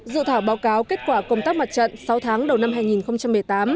dự thảo báo cáo kết quả công tác mặt trận sáu tháng đầu năm hai nghìn một mươi tám